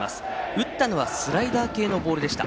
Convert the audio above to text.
打ったのはスライダー系のボールでした。